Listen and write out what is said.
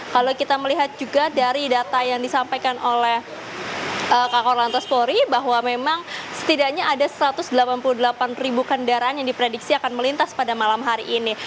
kalau kita melihat juga dari data yang disampaikan oleh kakor lantas polri bahwa memang setidaknya ada satu ratus delapan puluh delapan ribu kendaraan yang diprediksi akan melintas pada malam hari ini